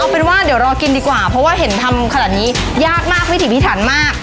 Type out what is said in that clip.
เป็นว่าเดี๋ยวรอกินดีกว่าเพราะว่าเห็นทำขนาดนี้ยากมากวิถีพิถันมาก